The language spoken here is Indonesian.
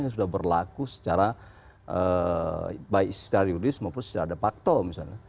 yang sudah berlaku secara baik secara yuris maupun secara de facto misalnya